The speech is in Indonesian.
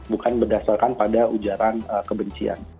bukan berdasarkan pada ujaran kebencian